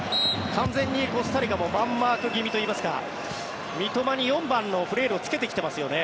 完全にコスタリカもマンマーク気味といいますか三笘に４番のフレールをつけてきてますよね。